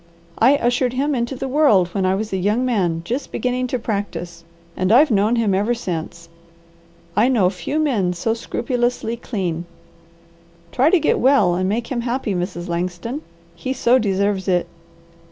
"I ushered him into the world when I was a young man just beginning to practise, and I've known him ever since. I know few men so scrupulously clean. Try to get well and make him happy, Mrs. Langston. He so deserves it."